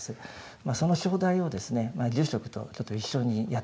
まあその唱題をですね住職とちょっと一緒にやってみたいと思います。